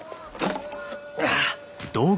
ああ。